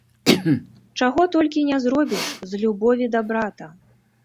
Чаго толькі не зробіш з любові да брата!